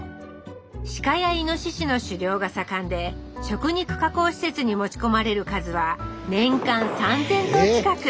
鹿やイノシシの狩猟が盛んで食肉加工施設に持ち込まれる数は年間３，０００頭近く。